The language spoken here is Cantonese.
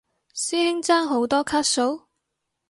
師兄爭好多卡數？